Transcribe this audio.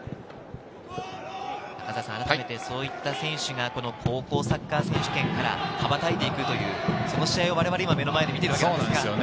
改めて、そういった選手が高校サッカー選手権から羽ばたいていくというその試合を今目の前で見ているわけですが。